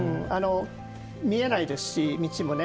見えないですし道もね。